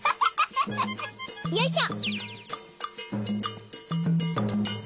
よいしょ。